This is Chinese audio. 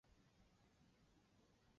喜欢的东西是葡萄。